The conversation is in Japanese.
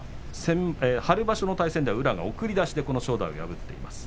春場所の対戦では宇良が送り出しで正代を破っています。